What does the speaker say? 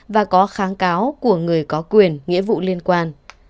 và có kháng cáo của người có quyền nghĩa vụ liên quan